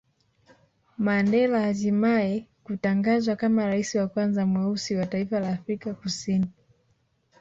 Mandela hatimae kutangazwa kama rais wa kwanza mweusi wa taifa la Afrika Kusini